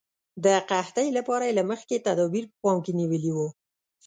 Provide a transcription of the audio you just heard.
د قحطۍ لپاره یې له مخکې تدابیر په پام کې نیولي وو.